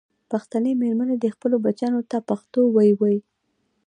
پښتنې مېرمنې دې خپلو بچیانو ته پښتو ویې ویي.